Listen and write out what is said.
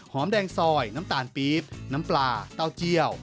แดงซอยน้ำตาลปี๊บน้ำปลาเต้าเจียว